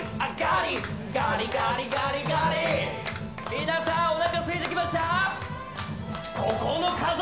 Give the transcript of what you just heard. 皆さんおなかすいてきました？